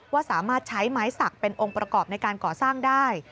ว่าสามารถใช้ไม้สักเป็นองค์ประกอบในการก่อสร้างได้